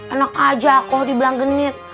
enak aja kok dibilang genit